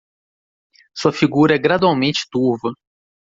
Sua figura é gradualmente turva